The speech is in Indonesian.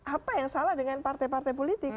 apa yang salah dengan partai partai politik